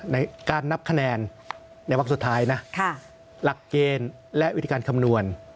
ในการนับคะแนนในวักสุดท้ายนะหลักเกณฑ์และวิธีการคำนวณ